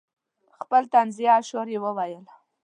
خپل طنزیه اشعار یې وویل.